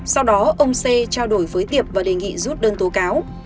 sau đó ông c trao đổi với tiệp và đề nghị rút đơn tổ cáo